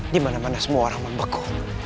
di mana mana semua orang membeku